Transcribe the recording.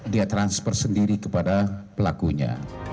dia transfer sendiri kepada pelakunya